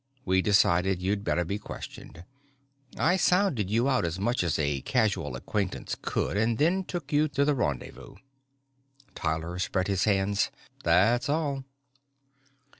We decided you'd better be questioned. I sounded you out as much as a casual acquaintance could and then took you to the rendezvous." Tyler spread his hands. "That's all."